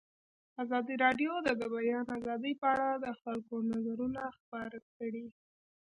ازادي راډیو د د بیان آزادي په اړه د خلکو نظرونه خپاره کړي.